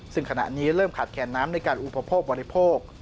ซึ่งขณะนี้เริ่มขาดแคนน้ำในการอุปโภคบริโภค